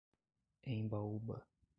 Embaúba